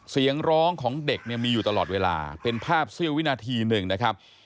เสียงร้องของเด็กเนี่ยมีอยู่ตลอดเวลาเป็นภาพเสี้ยววินาทีหนึ่งนะครับ